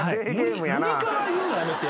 無理から言うのやめて。